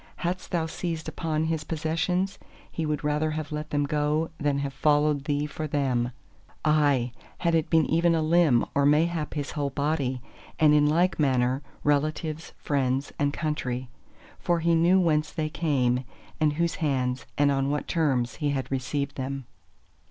Hadst thou seized upon his possessions, he would rather have let them go than have followed thee for them—aye, had it been even a limb, or mayhap his whole body; and in like manner, relatives, friends, and country. For he knew whence they came—from whose hands and on what terms he had received them.